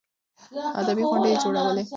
ادبي غونډې يې جوړولې.